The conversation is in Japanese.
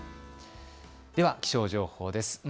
では気象情報です。